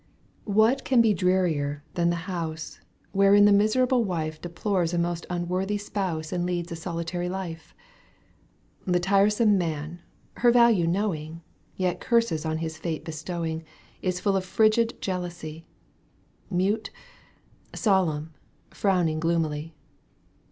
1 "What can be drearier than the house, Wherein the miserable wife Deplores a most unworthy spouse And leads a solitaiy life ? The tiresome man, her value knowing. Yet curses on his fate bestowing. Is fuU of frigid jealousy, ^ Mute, solemn, frowning gloomily.